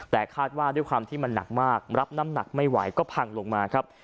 แต่คาดว่าด้วยความที่มันหนักมากรับน้ำหนักไม่ไหวก็พังลงมาครับ